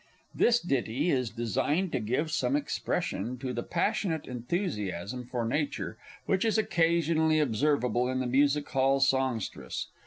This ditty is designed to give some expression to the passionate enthusiasm for nature which is occasionally observable in the Music hall songstress.